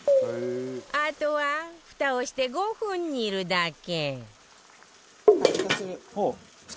あとはフタをして５分煮るだけ